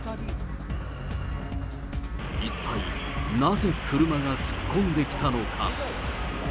一体、なぜ車が突っ込んできたのか。